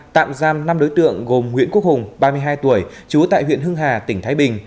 tạm giam năm đối tượng gồm nguyễn quốc hùng ba mươi hai tuổi trú tại huyện hưng hà tỉnh thái bình